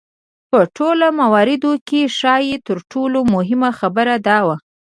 په ټولو مواردو کې ښايي تر ټولو مهمه خبره دا وه.